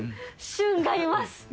俊がいます！